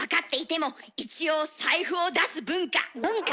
文化！